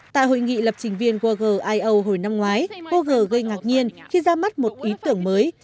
tại hội nghị lập trình viên google io hồi năm ngoái google gây ngạc nhiên khi ra mắt một ý tưởng mới